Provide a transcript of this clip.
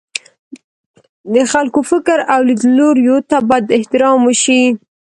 د خلکو فکر او لیدلوریو ته باید احترام وشي.